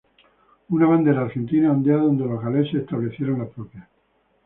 Una bandera argentina ondea donde los galeses establecieron la propia.